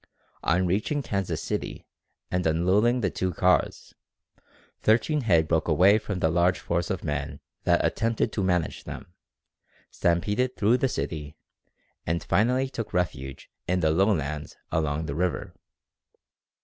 On reaching Kansas City and unloading the two cars, 13 head broke away from the large force of men that attempted to manage them, stampeded through the city, and finally took refuge in the low lands along the river.